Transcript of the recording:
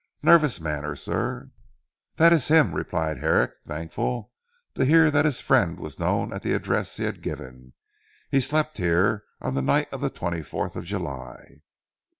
Nervous manner sir." "That is him," replied Herrick thankful to hear that his friend was known at the address he had given. "He slept here on the night of the twenty fourth of July."